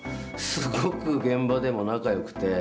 すごく現場でも仲よくて。